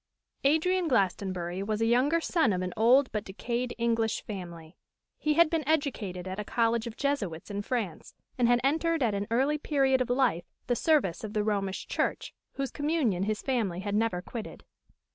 _ ADRIAN GLASTONBURY was a younger son of an old but decayed English family. He had been educated at a college of Jesuits in France, and had entered at an early period of life the service of the Romish Church, whose communion his family had never quitted.